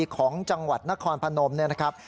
ของจังหวัดนครพนมเนี่ยนะครับ